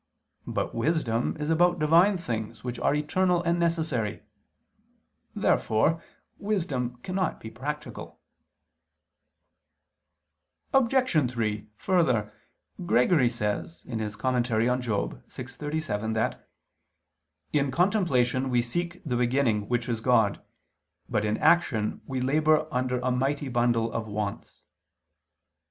But wisdom is about Divine things which are eternal and necessary. Therefore wisdom cannot be practical. Obj. 3: Further, Gregory says (Moral. vi, 37) that "in contemplation we seek the Beginning which is God, but in action we labor under a mighty bundle of wants."